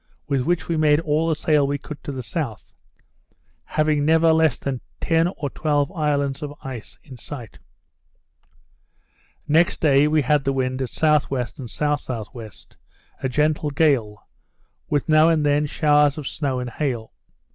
with which we made all the sail we could to the south; having never less than ten or twelve islands of ice in sight. Next day we had the wind at S.W. and S.S.W., a gentle gale, with now and then showers of snow and hail.